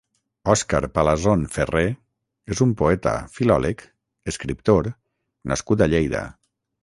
Òscar Palazón Ferré és un poeta, filòleg, escriptor nascut a Lleida.